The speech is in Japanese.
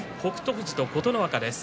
富士と琴ノ若です。